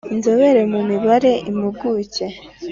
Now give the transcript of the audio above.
Inzobere mu mibare impuguke